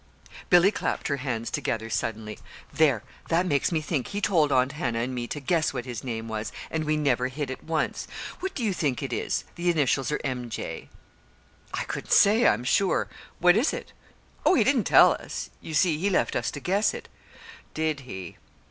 Billy clapped her hands together suddenly. "There, that makes me think. He told Aunt Hannah and me to guess what his name was, and we never hit it once. What do you think it is? The initials are M. J." "I couldn't say, I'm sure. What is it?" "Oh, he didn't tell us. You see he left us to guess it." "Did he?"